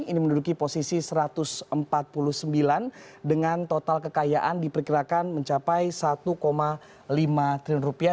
ini menduduki posisi satu ratus empat puluh sembilan dengan total kekayaan diperkirakan mencapai satu lima triliun rupiah